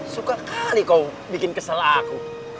suka kali kau bikin kesel aku